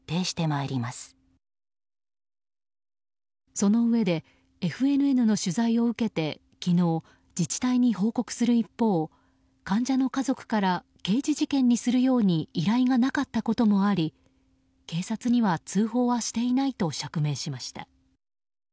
そのうえでＦＮＮの取材を受けて昨日自治体に報告する一方患者の家族から刑事事件にするように依頼がなかったこともあり警察には通報はしていないと釈明しました。